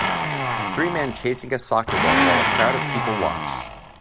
Three men chasing a soccer ball while a crowd of people watch.